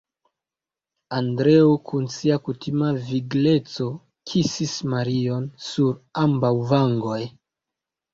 Andreo, kun sia kutima vigleco kisis Marion sur ambaŭ vangoj.